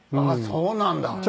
あっそうなんだ。